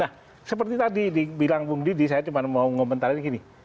nah seperti tadi dibilang bung didi saya cuma mau ngomentarin gini